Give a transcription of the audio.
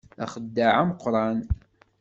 D axeddaɛ ameqqran.